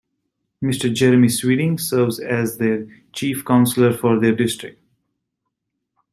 Mr. Jeremy Sweeting serves as the Chief Councillor for their District.